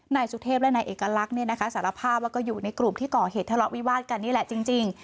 นายสุเทพและนายเอกลักษณ์สารภาพว่าก็อยู่ในกลุ่มที่ก่อเหตุทะเลาะวิวาดกันนี่แหละจริง